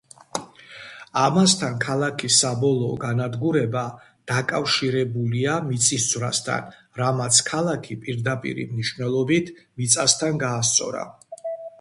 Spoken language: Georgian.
ამასთან, ქალაქის საბოლოო განადგურება დაკავშირებულია მიწისძვრასთან, რამაც ქალაქი პირდაპირი მნიშვნელობით მიწასთან გაასწორა.